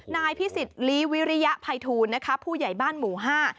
นายพิสิทธิลีวิริยภัยทูลนะคะผู้ใหญ่บ้านหมู่ห้า